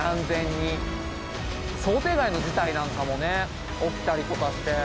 想定外の事態なんかもね起きたりとかして。